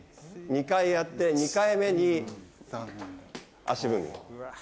２回やって２回目に足踏み。